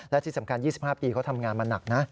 และที่สำคัญ๒๕ปีเขาทำงานมาหนักนะ